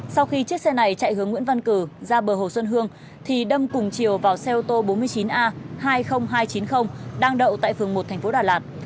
sau khi chiếc xe này chạy hướng nguyễn văn cử ra bờ hồ xuân hương thì đâm cùng chiều vào xe ô tô bốn mươi chín a hai mươi nghìn hai trăm chín mươi đang đậu tại phường một thành phố đà lạt